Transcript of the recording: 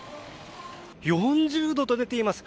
４０度と出ています。